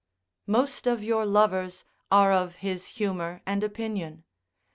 Most of your lovers are of his humour and opinion.